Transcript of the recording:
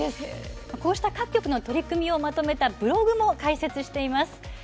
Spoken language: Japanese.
こうした各局の取り組みをまとめたブログも開設しています。